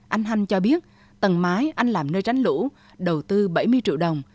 anh hanh cho biết tầng mái anh làm nơi tránh lũ đầu tư bảy mươi triệu đồng